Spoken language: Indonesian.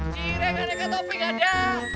cireng ada ke topik ada